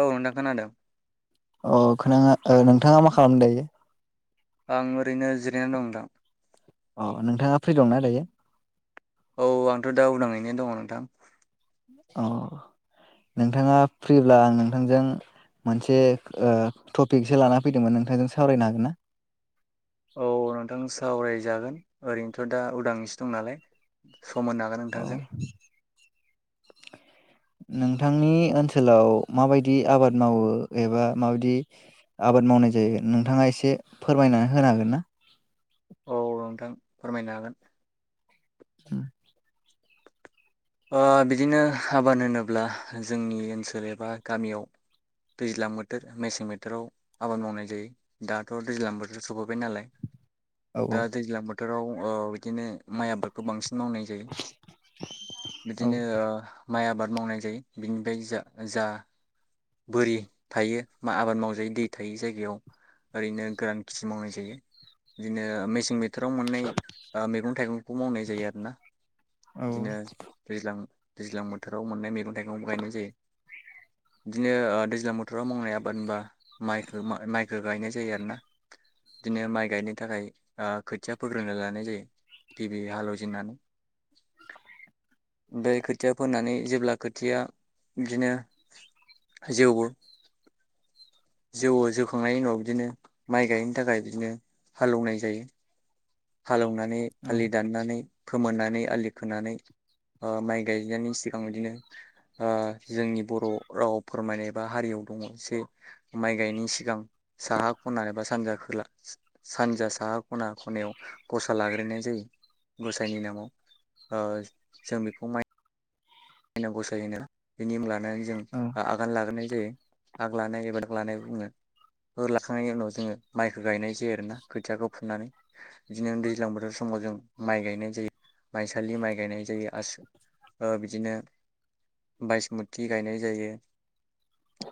औ नोंथां खोनादों अ खोनाङा नोंथाङा मा खालामदो दायो आं ओरैनो जिरायनानै दं नोंथां अ नोंथाङा फ्रि दंनाा दायो औ आंथ' दा उदाङैनो दङ नोंथां औ नोंथाङा फ्रिब्ला आं नोंथांजों मोनसे टपिकसो ला फैदोंमोन नोंथांजों सावरायनो हागोन ना औ नोंथां सावरायजागोन ओरैनोथ' दा उदां‌‌सो दं नालाय सम होनो हागोन औ नोंथांजों नोंथांनि ओनसोलाव माबायदि आबाद मावो एबा माबायदि आबाद मावनाय जायो नोंथाङा एसे फोरमायनानै होनो हागोन ना औ नोंथां फोरमायनो हागोन अम ओ बिदिनो आबाद होनोब्ला जोंनि ओनसोल एबा गामियाव दैज्लां बोथोर मेसें बोथोराव आबाद मावनाय जायो दाथ' दैज्लां बोथोर सफैबाय नालाय औ औ दा दैज्लां बो बोथोराव ओ बिदिनो माइ आबादखौ बांसिन मावनाय जायो बिदिनो ओ माइ आबाद मावनाय जायो बिनिफ्राय जा जा बोरि थायो बा आबाद मावजायो दै थायो जायगायाव ओरैनो गोरान खेथि मावनाय जायो बिदिनो मेसें मे फोथोराव मोननाय ओ मैगं थाइगं बेखौ मावनाय जायो आरो ना? औ बिदिनो दैज्लां दैज्लां बोथोराव मोननाय मैगं थाइगंबो गायनाय जायो बिदिनो दैज्लां मथराव मावनाय आबाद होनबा माइखो माइ [unintelligible] खो गायनाय जायो आरोना बिदिनो माइ गायनो थाखाय ओ खोथिया फोग्रोनो लानाय जायो गिबि हालेवजेननानै ब ओमफ्राय खोथिया फोनानै जेब्ला खोथिया बिदिनो जौवो जौआव जोखांनायनि उनाव बिदिनो माइ गायनो थाखाय बिदिनो हालेवनाय जायो [inaudible] हालेवनानै औ आलि दाननानै फोमोननानै आलि खोनानै माइ गायनायनि सिगां बिदिनो जोंनि बर' राव फोरमायनाय एबा हारियाव दङ जे माइ गायनायनि सिगां साहा खना एबा सानजा खोला सानजा साहा खना खनायाव गसा लाग्रोनाय जायो गसायनि नामाव जों बेखौ माइ गसाय होनो [unintelligible] नानै जों औ आगान लाग्रोनाय जा जायो आग लानाय एबााग लानाय बुङो लाखांनायनि उनाव जोङो माइखौ गायनाय जायो आरोना खोथियाखौ फुनानै बिदिनो दैज्लां बोथोर समाव जों माइ गायनाय जायो माइसालि माइ गायनाय जायो आसु बिदिनो बायासमुथि गायनाय जायो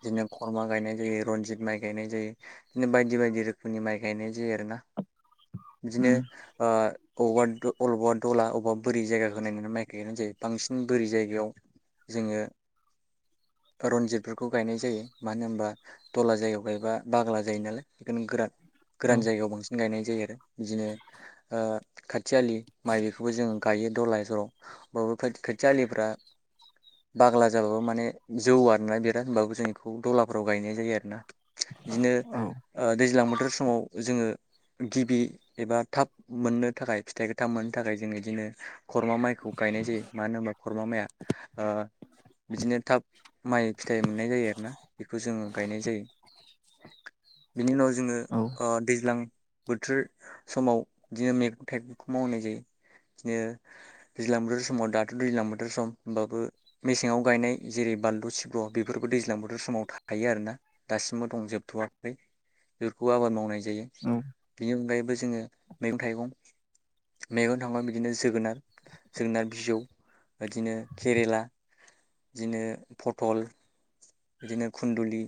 बिदिनो खरमा गायनाय जायो रनजित माइ गायनाय जायो बिदिनो बायदि बायदि रोखोमनि माइ गायनाय जायो आरोना बिदिनो उम ओ बबावबा अबेबा दला बबेबा बोरै जायगाखौ नायनानै माइ गाय गयानो जायो बांसिन बोरै जायगायाव जोङो रन्जितफोरखौ गायनाय जायो मानो होनबा दला जायगायाव गायबा बाग्ला जायो नालाय बेखनो गोरान औ गोरान जायगायाव बांसिन गायनाय जायो आरो बिदिनो खाथियालि माइ बेखौबो जोङो गायो दहल जलाव बावबो खाथि आलिफ्रा बाग्ला जाबाबो माने जौओ आरोना बिराद होनबाबो जों बेखौ दलाफ्राव गायनाय जायो आरोना बिदिनो औ ओ दैज्लां बोथोर समाव जोङो गिबि एबा थाब मोननो थाखाय फिथाइखौ थाब मोननो थाखाय जोङो बिदिनो खरमा माइखौ गायनाय जायो मानो होनबा खरमा माइया ओ बिदिनो थाब माइ फिथाइ मोननाय जायो आरोना बेखौ जोङो गायनाय जायो बिनि उनाव जोङो औ अ दैज्लां बोथोर समाव बिदिनो मैगं थाइगंखौ मावनाय जायो बिदिनो दैज्लां बोथोर समाव दाथ' दैज्लां बोथोर सम। होमबाबो मेसेंआव गायनाय जेरै बानलु सिब्र' बेफोरबो दैज्लां बोथोर समाव थायो आरोना दासिमबो दं जोबथ'वाखै बेफोरखौ आबाद मावनाय ज गायो औ बिनि अनगायैबो जोङो मैगं थाइगं मैगं थांबा बिदिनो जोगोनार जोगोनार बिजौबिदिनो केरेला बिदिनो पटल बिदिनो खुन्दुलि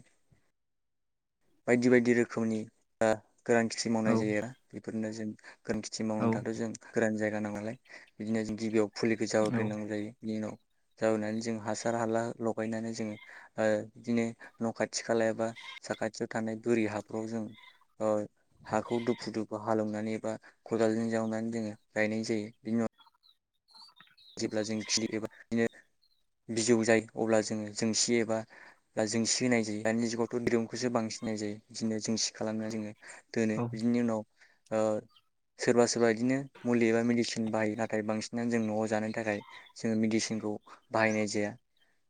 बायदि बायदि रोखोमनि ओ गोरान खेथि औ मावनाय जायो आरोा बेफोरनो जों गोरोन खेथि औ मावनो थाथ' जों गोरान जायो जान नालाय बिदिनो गिबियाव फुलिखौ औ जावायगरोनांगौ जायो बिनि उनाव जावायनानै जों हासार हाला लगायनानै जोंङो बिदिनो न' खाथि खालायावबा साखाथि खाथियाव थानाय बोरि हाफ्राव जों हाखौ दुफु दुफु हालेवनानै एबा खदालजों जावनानै जोङो गायनाय जायो बिनि उनाव जेब्ला जों खिरि एबा बिदिनो बिजौ जायो अब्ला जोङो जोंसि एबा जोंसि होनाय जायो दानि जुगावथ' दिरुंखौसो बांसिन होनाय जायो बिदिनो जोंसि खालामना जोङो दोनो बिनि उनाव सोरबा सोरबा बिदिनो मुलि एबा मेडिसिन बाहायो नाथाय बांसिनानो जों न'आव जानो थाखाय जोङो मेदिसिनखौ बाहायनाय जाया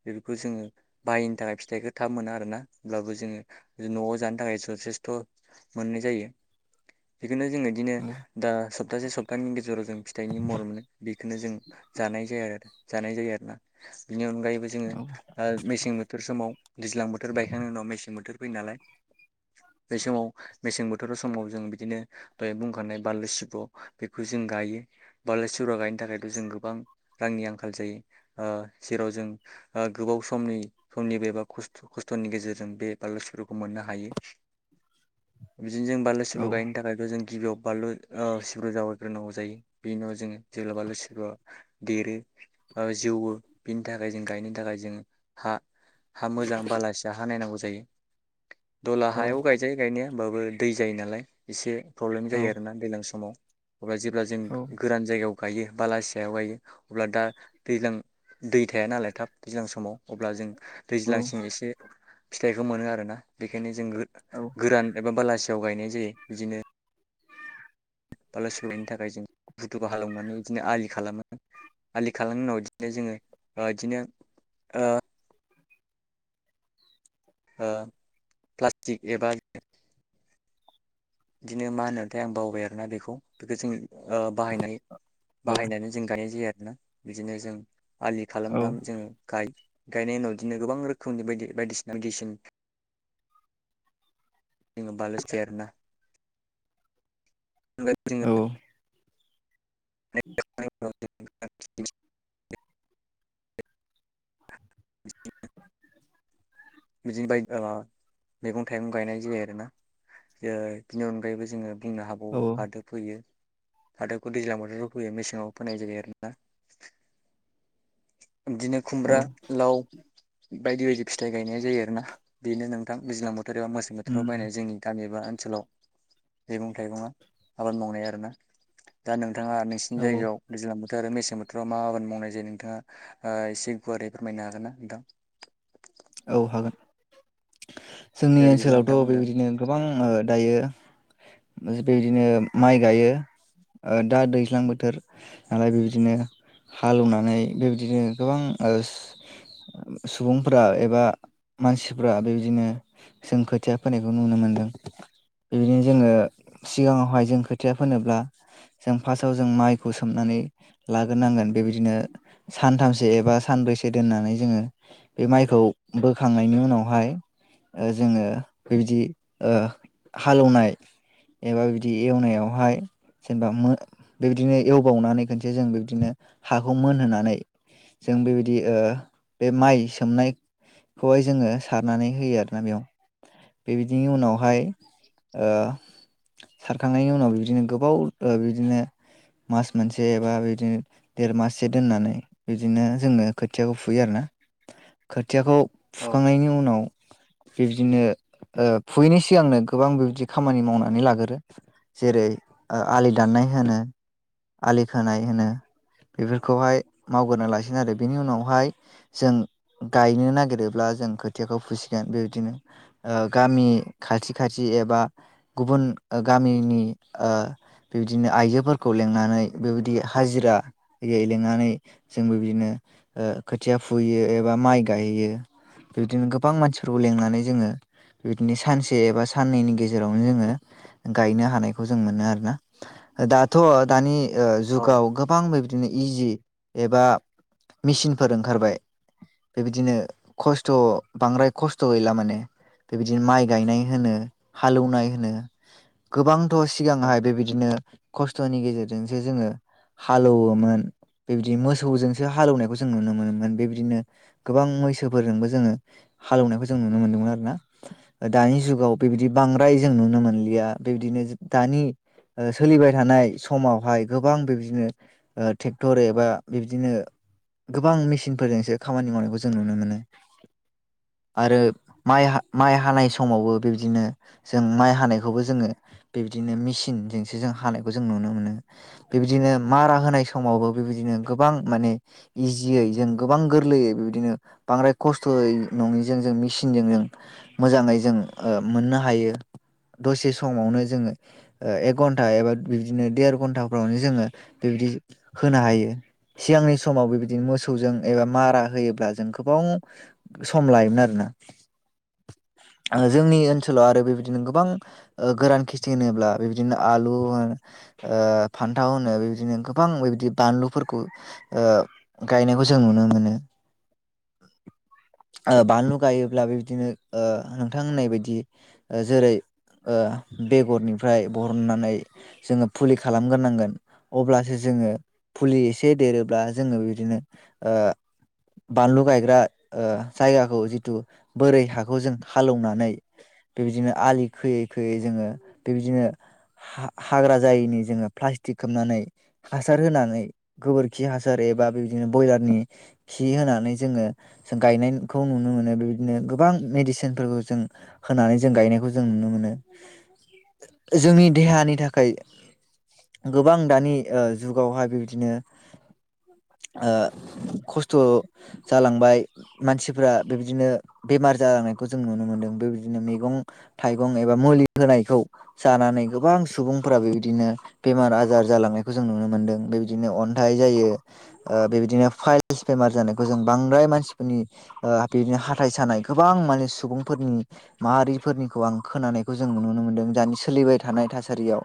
बेफोरखौ जोङो बाहायनो थाखाय फिथाइखौ थाब मोना आरोना अब्लाबो जोङो न'आव जानो थाखाय जथेस्थ' मोननाय जायो। बेखौनो जोङो बिदिनो दा सप्तासे सप्तानि गेजेराव जों फिथाइनि महर मोनो। बेखोनो जों। जानाय जाया आरो जानाय जायो आरो ना बेनि अनगायैबो जोङो आ मेसें बोथोर समाव। दैज्लां बोथोर बायखांनायनि उनाव मेसें बोथोर फैयो नालाय बे समाव मेसें बोथोराव समाव जों बिदिनो दय बुंखानाय बाललु सिब्र' बेखौ जों गायो बाला सिब्र' गायनो थाखायथ' जों गो गोबां रांनि आंखाल जायो ओह जेराव जों ओह गोबाव समनि समनि बेबा खस्थ खस्थ'नि गेजेरजों बे बाललु सिब्रखौ मोननो हायो। बिदिनो जों बानलु सिब्र' गायनो थाखायथ' जों गिबियाव। बानलु ओउ सिब्र जावायग्रोनांगौ जायो बेनि उनाव जोङो जेब्ला बानलु सिब्रुआ। देरो ओ जौवो बेनि थाखाय जों गायनो थाखाय जों हा। हा मोजां बालासिया हा नायनांगौ जा जायो। दला हायाव गायजायो गायनाया ओमबाबो। दै जायो नालाय इसे। प्रब्लेम जायो आरोना दैलां समाव। अब्ला जेब्ला जों गोरान जायगायाव। गायो बालासि हायाव गायो अब्ला दा दैज्लां दै थाया नालाय थाब दैज्लां समाव अब्ला जों। दैज्लांसिं एसे। फिथाइखौ मोनो आरोना बेखायनो जों औ गो-गोरान एबा बालासि [unintelligible] गायनाय जायो बिदिनो। [unintelligible] नि थाखाय जों बुथुखौ हालौनानै बिदिनो आलि खालामो आलि खालामनायनि उनाव बिदिनो जोङो ओह इदिनो ओह। ओह प्लास्टिक एबा बिदिनो मा होननो थाय आं बावबाय आरोना बेखौ बेखो जोङो। ओह बाहायनाय औ बाहायनानै जों गायनाय जायो आरो। ना बिदिनो जों। आलि खालाम औ दाम जोङो गाय गायनायनि उनाव इदिनो गोबां रोखोमनि बायदि बायदिसिना दिसिन [unintelligible] औ [unintelligible] [inaudible] [unintelligible] [inaudible] बिदिनो बाय ओह मैगं थाइगं गायनाय जायो आरोना ओह बिनि अनगायैबो जोङो बुंनो औ हाबावो फाथो फैयो। फाथोखौ दैज्लां बोथोराव फैयो मेसेङाव फोनाय जायो आरोना। दिनो औ खुमब्रा लाव। बायदि बायदि फिथाइ गायनाय जायो आरोना बेनो नोंथां दैज्लां बोथोर एबा मेसें बोथोरा उम बायनाय जोंनि गामि बा ओनसोलाव मैगं थाइगंआ आबाद मावनाय आरोना दा नों थांङा नोंसिनि औ जायगायाव दैज्लां बोथोर आरो मेसें बोथोराव मा आबाद मावनाय जायो नोंथांङा ओ एसे गुवारै फोरमायनो हागोन ना नोंथां? औ हागोन। जोंनि दे बिदिब्ला ओनसोलावथ' नोंथां बुंदो। बेबायदिनो गोबां दायो बेबायदिनो माइ गायो दा दैज्लां बोथोर नालाय बेबायदिनो हालौवनानै बेबायदिनो गोबां आरो ओस सुबुंफोरा एबा मानसिफ्रा बेबायदिनो जों खोथिया फोनायखौ नुनो मोनदों बेबायदिनो जोङो सिगाङावहाय जों खोथिया फोनोब्ला जों फार्स्टआव जों माइखौ सोमनानै लाग्रोनांगोन बेबायदिनो सानथामसो एबा सानब्रैसो दोननानै जोङो बे माइखौ बोखांनायनि उनावहाय ओ जोङो बेबायदि ओ हालेवनाय एबा बिदि एवनायावहाय जेनेबा मोन बेबायदिनो एवबावनानै खनसे जों बिबदिनो हाखौ मोनहोनानै जों बेबायदि ओ बे माइ सोमनाय खौहाय जोङो सारनानै होयो आरोना बेयाव बेबायदिनि उनावहाय ओ सारखांनायनि उनाव बिदिनो गोबाव बिदिनो मास मोनसे बा बिदिनो देर माससो दोननानै बिदिनो जोंङो खोथियाखौ फुयो आरोना। खोथियाखौ औ फुखांनायनि उनाव बिब्दिनो ओ फुयैनि सिगांनो गोबां बिबदि खामानि मावनानै लागोरो जेरै आलि दाननाय होनो। आलि खोनाय होनो बेफोरखौहाय मावगोरोना लासिनो आरो बेनि उनावहाय जों गायनो नागिरोब्ला जों खोथियाखौ फुसिगोन बेबदिनो ओ गामि खाथि खाथि एबा गुबुन गामिनि ओ बिबदिनो आइजोफोरखौ लेंंनानै नै बेबायदि हाजिरयै लिनानै जोंबो बिदिनो ओ खोथिया फुैयो एबा माइ गाययो बिदिनो गोबां मानसिफोरखौ लिनानै जोङो बिदिनो सानसे एबा साननैनि गेजेरावनो जोङो गायनो हानायखौ जों मोनो आरोना दाथ' दानि ओ औ जुगाव गोबां बेबदिनो इजि एबा मेचिनफोर ओंखारबाय बेबायदिनो खस्थ' बांद्राय खस्थ' गैला माने बेबायदिनो माइ गायनाय होनो हालौवनाय होनो गोबां थ सिगांहाय औ बेबायदिनो खस्थ नि गेजेरजों जोंसो जोङो हालौवोमोन बेबायदि मोसौजोंसो हालौवनायखौ जों नुनो मोनोमोन बेबायदिनो गोबां मैसोफोरजोंबो जोङो हालौनायखौ जों नुनो मोनदोंमोन आरोना दानि जुगाव बेबायदि बांद्राय जों नुनो मोनलिया बेबायदिनो दानि सोलिबाय थानाय समावहाय गोबां बिबदिनो ट्रेक्टर एबा बिब्दिनो गोबां मेसिनफोरजोंसो खामानि मावनायखौ जों नुनो मोनो आरो माइ माइ हानाय समावबो बिब्दिनो जों माइ हानायखौबो जोङो बिबदिनो मेसिनजोंसो जों हानायखौ जों नुनो मोन नो। बे बिबदिनो मारा होनाय समावबो बेबायदिनो गोबां माने इजियै जों गोबां गोरलैयै बिबायदिनो बांद्राय खस्थ'यै नङियै जों मेसिनजों ओ जों मोजाङै जों मोननो हायो दसे समावनो जोङो एक घन्टा एबा बिबदिनो देर घन्टाफ्रावनो जोङो बेबायदि होनो हायो सिगांनि समाव बेबायदिनो मोसौजों एबा मारा होयोब्ला जों गोबां सम लायोमोन आरोना ओ जोंनि ओनसोलाव आरो बेबायदिनो गोबां ओ गोरान खेथि होनोब्ला बेबायदिनो आलु होन ओ फान्थाव होनो बेबायदिनो गोबां बेबायदि बानलुफोरखौ ओ गायनायखौ जों नुनो मोनो ओ बानलु गायोब्ला बेबायदिनो ओ नोंथां होननाय बायदि जेरै ओ बेगरनिफ्राय बरहननानै जोङो फुलि खालामग्रोनांगोन अब्लासो जोङो फुलि एसे देरोब्ला जोङो बिदिनो ओ बानलु गायग्रा जायगाखौ जिथु बोरै हाखौ जों हालौवनानै बेबायदिनो आलि खोयै खोयै जोङो बेबायदिनो हा-हाग्रा जायनि जोङो प्लास्टिक खोबनानै हासार होनानै गोबोरखि हासार एबा बेबायदिनो ब्रयलारनि खि होनानै जोङो जों गायनायखौ नुनो मोनो बेबायदिनो गोबां मेडिसिनफोरखौ जों होनानै जों गायनायखौ जों नुनो मोनो जोंनि देहानि थाखाय गोबां दानि ओ जुगावहाय बेबायदिनो ओ खस्थ' जालांबाय मानसिफ्रा बेबायदिनो बेमार जालांनायखौ जों नुनो मोनदों बेबायदिनो मैगं थाइगं एबा मुलि होनायखौ जानानै गोबां सुबुं फोर बेबायदिनो बेमार आजार जालांनायखौ जों नुनो मोन्दों बेबायदिनो अन्थाइ जायो ओ बेबायदिनो फाइलस बेमार जानायखौ जों बांद्राय मानसिफोरनि ओ बिदिनो हाथाइ सानाय गोबां माने सुबुंफोरनि माहारिफोरनिखौ आं खोनानायखौ जों नुनो मोनदों दानि सोलिबाय थानाय थासारियाव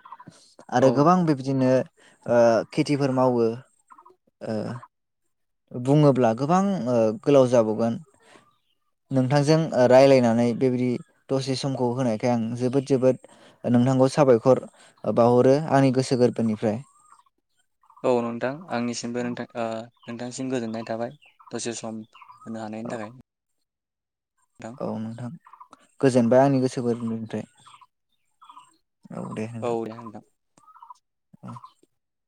आरो गोबां बिबदिनो खेथिफोर मावो ओ बुङोब्ला गोबां गोलाव जाबावगोन, नोंथांजों राय्लायनानै बेबायदि दसे समखौ होनायखाय आं जोबोद जोबोद नोंथांखौ साबायखर बाहरो आंनि गोसो गोरबोनिफ्राय। औ नोंथां आंनिसिमबो नोंथां। बिथां सिम गोजोननाय थाबाय दसे सम होनो हानायनि थाखाय। औ नोंथां गोजोनबाय आंनि गोसो गोरबोनिफ्राय। [unintelligible] औ दे नोंथां। [unintelligible]